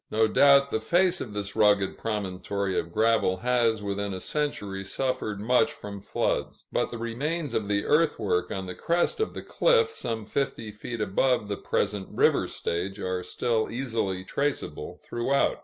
No doubt the face of this rugged promontory of gravel has, within a century, suffered much from floods; but the remains of the earthwork on the crest of the cliff, some fifty feet above the present river stage, are still easily traceable throughout.